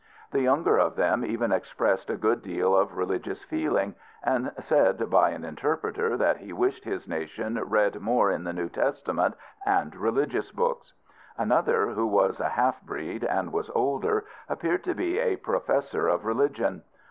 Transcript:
The younger of them even expressed a good deal of religious feeling, and said by an interpreter that he wished his nation read more in the New Testament and religious books. Another, who was a half breed, and was older, appeared to be a professor of religion.